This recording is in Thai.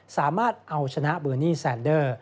สามารถเอาชนะเบอร์นี่แซนเดอร์